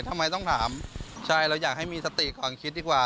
ทำไมต้องถามใช่เราอยากให้มีสติก่อนคิดดีกว่า